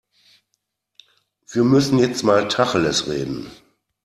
Wir müssen jetzt mal Tacheles reden.